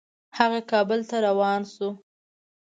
هغه کابل ته روان شو.